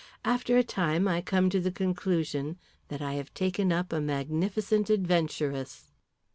After a time I come to the conclusion that I have taken up a magnificent adventuress."